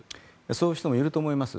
そういう人もいると思います。